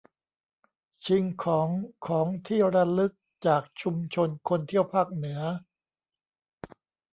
ชิงของของที่ระลึกจากชุมชนคนเที่ยวภาคเหนือ